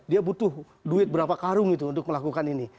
dia butuh duit berapa karung itu untuk melakukan ini